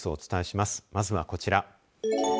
まずはこちら。